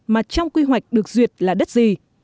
mà trong quy hoạch được duyệt là đất gì